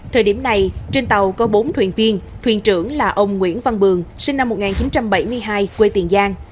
thời điểm này trên tàu có bốn thuyền viên thuyền trưởng là ông nguyễn văn bường sinh năm một nghìn chín trăm bảy mươi hai quê tiền giang